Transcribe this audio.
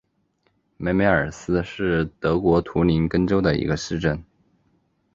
梅梅尔斯是德国图林根州的一个市镇。